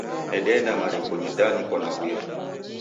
Nedeenda marikonyi da niko naw'uya